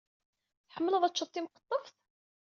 Tḥemmleḍ ad teččeḍ timqeṭṭeft?